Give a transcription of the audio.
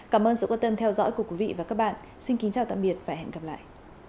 cảm ơn sự quan tâm theo dõi của quý vị và các bạn xin kính chào tạm biệt và hẹn gặp lại